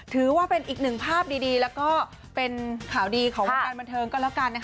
ถือว่าเป็นอีกหนึ่งภาพดีแล้วก็เป็นข่าวดีของวงการบันเทิงก็แล้วกัน